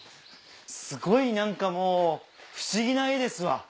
すごい何かもう不思議な画ですわ。